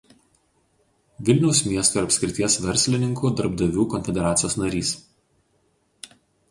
Vilniaus miesto ir apskrities verslininkų darbdavių konfederacijos narys.